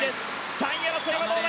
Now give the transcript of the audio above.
３位争いはどうだ。